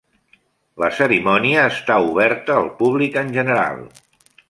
La cerimònia està oberta al públic en general.